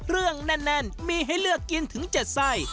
แน่นมีให้เลือกกินถึง๗ไส้